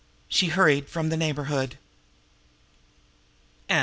She hurried from the neighborhood. XIII.